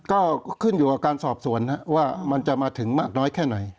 ก็ขึ้นอยู่กับการสอบสวนว่ามันจะมาถึงมากน้อยแค่ไหน